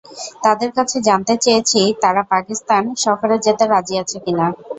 তাদের কাছে জানতে চেয়েছি, তারা পাকিস্তান সফরে যেতে রাজি আছে কিনা।